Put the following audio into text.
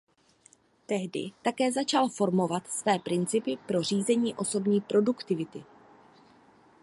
Tehdy také začal formovat své principy pro řízení osobní produktivity.